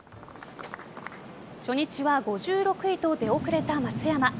初日は５６位と出遅れた松山。